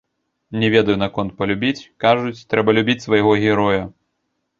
Не ведаю наконт палюбіць, кажуць, трэба любіць свайго героя.